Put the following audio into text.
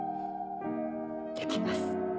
できます。